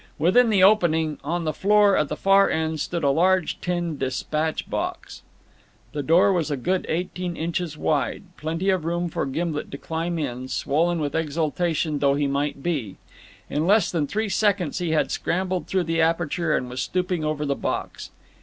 Within the opening, on the floor at the far end, stood a large tin despatch box. The door was a good eighteen inches wide; plenty of room for Gimblet to climb in, swollen with exultation though he might be. In less than three seconds he had scrambled through the aperture and was stooping over the box.